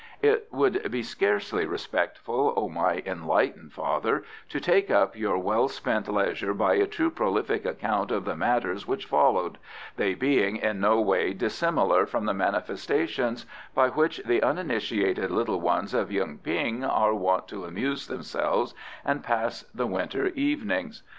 It would scarcely be respectful, O my enlightened father, to take up your well spent leisure by a too prolific account of the matters which followed, they being in no way dissimilar from the manifestations by which the uninitiated little ones of Yuen ping are wont to amuse themselves and pass the winter evenings.